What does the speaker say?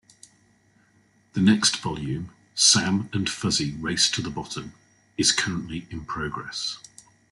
The next volume, "Sam and Fuzzy Race to the Bottom", is currently in progress.